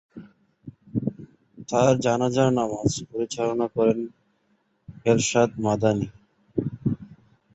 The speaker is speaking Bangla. তাঁর জানাজার নামাজ পরিচালনা করেন আরশাদ মাদানী।